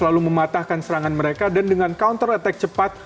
lalu mematahkan serangan mereka dan dengan counter attack cepat